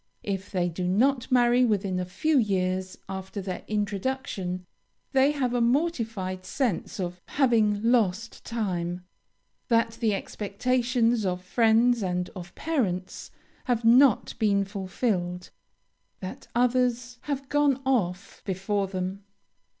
If they do not marry within a few years after their introduction, they have a mortified sense of having lost time that the expectations of friends and of parents have not been fulfilled; that others have 'gone off' before them.